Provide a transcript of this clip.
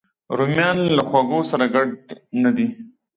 رومیان له خوږو سره ګډ نه دي